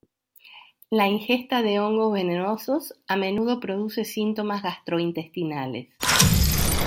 La ingesta de hongos venenosos a menudo produce síntomas gastrointestinales.